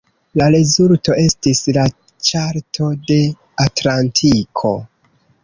La rezulto estis la Ĉarto de Atlantiko.